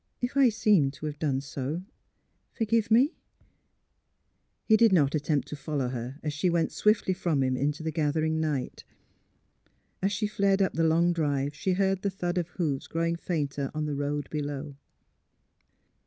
" If I seem to have done so — forgive me. '' He did not attempt to follow her, as she went swiftly from him into the gathering night. As she fled up the long drive she heard the thud of hoofs growing fainter on the road below.